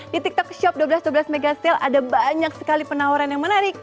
di tiktok shop dua belas dua belas m ada banyak sekali penawaran yang menarik